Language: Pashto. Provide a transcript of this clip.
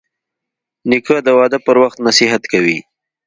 نیکه د واده پر وخت نصیحت کوي.